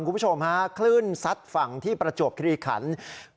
คุณผู้ชมฮะคลื่นซัดฝั่งที่ประจวบคลีขัน